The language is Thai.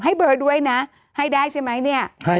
เบอร์ด้วยนะให้ได้ใช่ไหมเนี่ย